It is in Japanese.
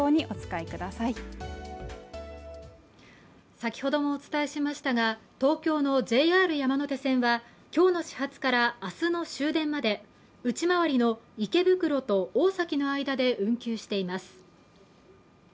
先ほどもお伝えしましたが東京のＪＲ山手線はきょうの始発から明日の終電まで内回りの池袋と大崎の間で運休しています